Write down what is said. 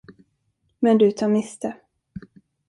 Men du tar miste.